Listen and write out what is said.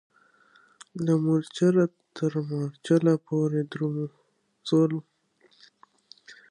له مورچله تر مورچله پوري ځغلو